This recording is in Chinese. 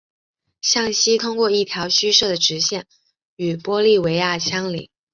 向西通过一条虚设的直线与玻利维亚相邻。